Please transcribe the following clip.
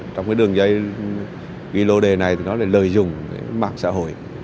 trong cái đường dây ghi lô đề này thì nó lại lợi dụng mạng xã hội